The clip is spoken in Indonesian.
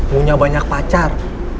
punya banyak pacar